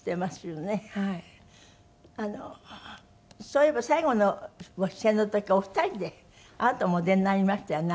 そういえば最後のご出演の時お二人であなたもお出になりましたよね